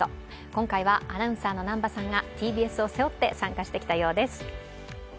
今回はアナウンサーの南波さんがＴＢＳを背負って参加してきたようです。